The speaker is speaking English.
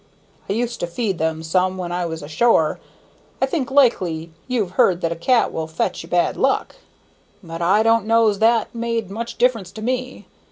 I used to feed them some when I was ashore. I think likely you've heard that a cat will fetch you bad luck; but I don't know's that made much difference to me.